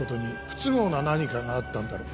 不都合な何かがあったんだろう